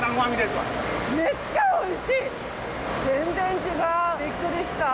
全然違うびっくりした。